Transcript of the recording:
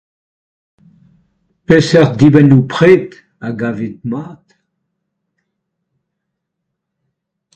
Peseurt dibennoù-pred a gavit mat ?